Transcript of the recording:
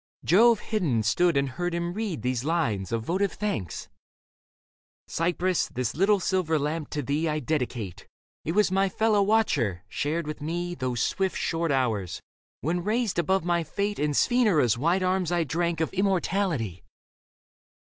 Jove hidden stood and heard him read these lines Of votive thanks — Cypris, this little silver lamp to thee I dedicate. It was my fellow watcher, shared with me Those swift, short hours, when raised above my fate In Sphenura's white arms I drank Of immortality.